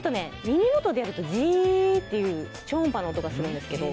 耳元でやるとジーッていう超音波の音がするんですけど。